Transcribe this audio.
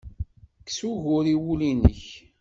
Kkes ugur i wul-nnek.